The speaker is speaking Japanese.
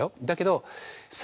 だけど。